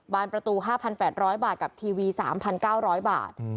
ประตู๕๘๐๐บาทกับทีวี๓๙๐๐บาท